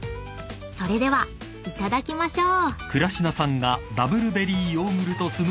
［それではいただきましょう］